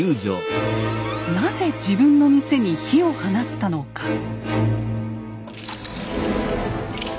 なぜ自分の店に火を放ったのか。